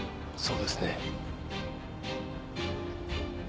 そうですね？